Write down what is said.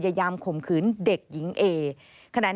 ว่าสะเต็ดหรือยังไม่สะเต็ด